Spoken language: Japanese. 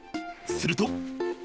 すると。